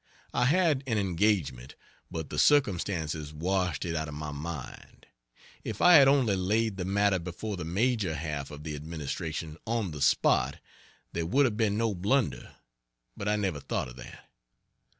I had an engagement, but the circumstances washed it out of my mind. If I had only laid the matter before the major half of the administration on the spot, there would have been no blunder; but I never thought of that.